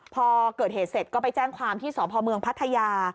พอเกิดเหตุเสร็จก็ไปแจ้งความที่สพเมืองพัทยา